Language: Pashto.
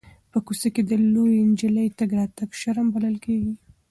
په کوڅه کې د لویې نجلۍ تګ راتګ شرم بلل کېږي.